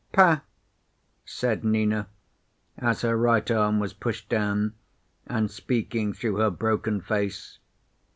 "Pa," said Nina, as her right arm was pushed down, and speaking through her broken face.